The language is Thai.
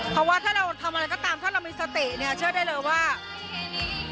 เพราะว่าถ้าเราทำอะไรก็ตามถ้าเรามีสติเนี่ยเชื่อได้เลยว่าโอเคนี้